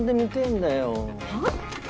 はあ？